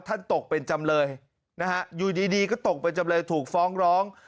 ตกเป็นจำเลยนะฮะอยู่ดีก็ตกเป็นจำเลยถูกฟ้องร้อง